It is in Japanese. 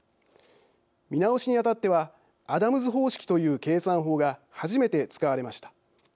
見直しにあたってはアダムズ方式という計算法が初めて使われました。